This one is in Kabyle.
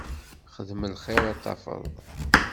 Xdem lxir ad t-tafeḍ.